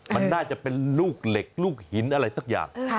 มันน่าจะเป็นลูกเหล็กลูกหินอะไรสักอย่าง